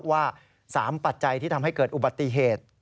ว่า๓ปัจจัยที่ทำให้เกิดอุบัติเหตุ